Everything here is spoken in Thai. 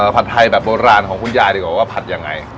ผัดไทยแบบโบราณของคุณยายดีกว่าว่าผัดยังไง